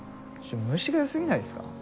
虫がよすぎないですか？